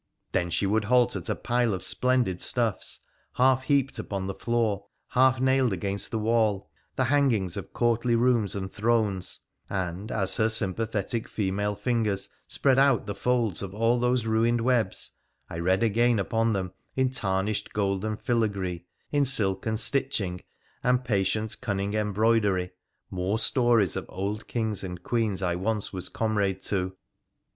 Then she would halt at a pile of splendid stuffs, half heaped upon the floor, half nailed against the wall, the hangings of courtly rooms and thrones ; and, as her sympa thetic female fingers spread out the folds of all those mined webs, I read again upon them, in tarnished gold and filigree, in silken stitching and patient, cunning embroidery, more stories of old Kings and Queens I once was comrade to.